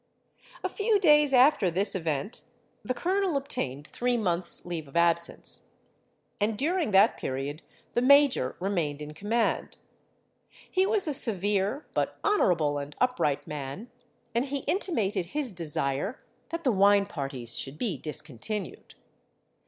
"A few days after this event the colonel obtained three months' leave of absence; and during that period the major remained in command. He was a severe, but honourable and upright man; and he intimated his desire that the wine parties should be discontinued.